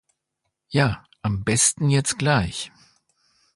Ja, am besten jetzt gleich!